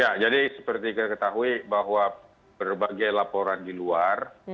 ya jadi seperti kita ketahui bahwa berbagai laporan di luar